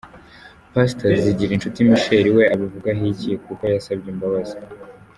Pastor Zigirinshuti Michel we abivugaho iki, kuki yasabye imbabazi?.